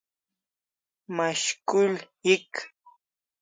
Mashkul hik